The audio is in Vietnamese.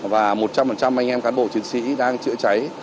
và một trăm linh anh em cán bộ chiến sĩ đang chữa cháy